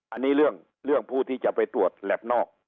อันนี้เรื่องผู้ที่จะไปตรวจแหลบนอก